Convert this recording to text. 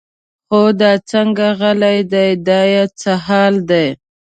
خو دا څنګه غلی دی دا یې څه حال دی.